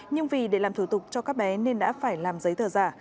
nhưng vì để làm thủ tục cho các bé nên đã phải làm giấy tờ giả